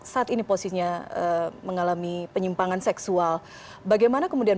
saat ini posisinya mengalami penyimpangan seksual bagaimana kemudian